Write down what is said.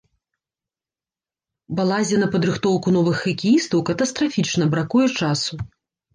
Балазе на падрыхтоўку новых хакеістаў катастрафічна бракуе часу.